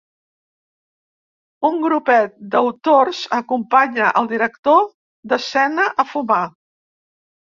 Un grupet d'autors acompanya al director d'escena a fumar.